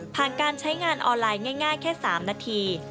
ผ่านการใช้งานออนไลน์ง่ายแค่สามนาที